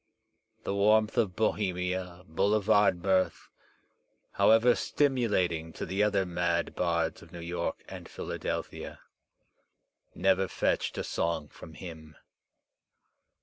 The warmth of Bohemia, boulevard mirth, however stimulating to the other mad bards of New York and Philadelphia, never fetched a song from him.